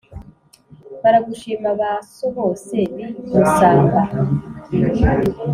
baragushima ba so bose b'i musamba